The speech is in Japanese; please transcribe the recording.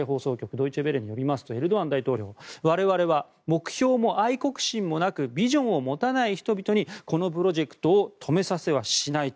ドイチェ・ヴェレによりますとエルドアン大統領我々は目標も愛国心もなくビジョンを持たない人々にこのプロジェクトを止めさせはしないと。